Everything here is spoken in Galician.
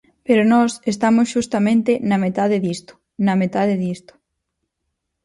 Pero nós estamos xustamente na metade disto, na metade disto.